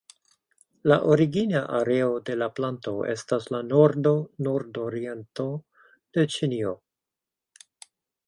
La origina areo de la planto estas la nordo, nordoriento de Ĉinio.